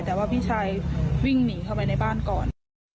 แต่ว่าพี่ชายวิ่งหนีเข้าไปในบ้านก่อน